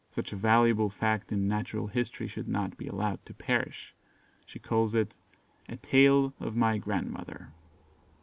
Such a valuable fact in natural history should not be allowed to perish; she calls it, A TALE OF MY GRANDMOTHER.